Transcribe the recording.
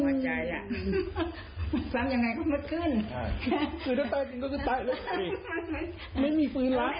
แล้วอย่างที่เกิดจริงกับคุณพี่อ่ะฮะ